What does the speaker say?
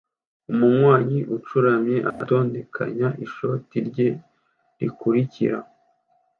Umunywanyi ucuramye atondekanya ishoti rye rikurikira